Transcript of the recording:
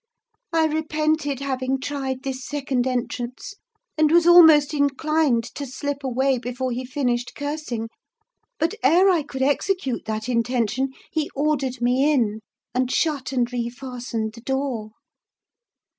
I repented having tried this second entrance, and was almost inclined to slip away before he finished cursing, but ere I could execute that intention, he ordered me in, and shut and re fastened the door.